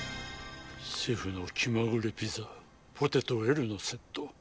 シェフの気まぐれピザポテトＬのセット。